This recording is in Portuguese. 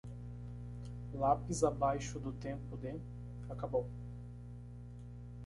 Lápis abaixo do tempo de? acabou.